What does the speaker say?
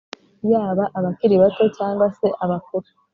yaba abakiri bato cyangwa se abakuru